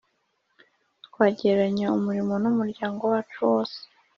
Twagereranya umurimo n’umuryango wacu wose